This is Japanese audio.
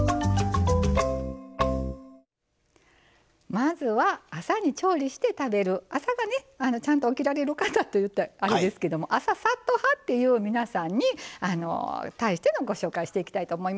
まずは朝に調理して食べる朝がねちゃんと起きられる方といったらあれですけども「朝サッと派」っていう皆さんに対してのご紹介していきたいと思います。